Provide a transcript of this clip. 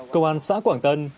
công an xã quảng tân